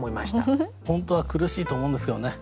本当は苦しいと思うんですけどね